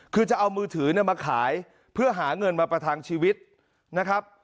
คือจะเอามือถือมาขายเพื่อหาเงินมาประทังชีวิตนะครับ